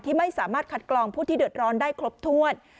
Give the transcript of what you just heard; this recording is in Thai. ไม่สามารถคัดกรองผู้ที่เดือดร้อนได้ครบถ้วน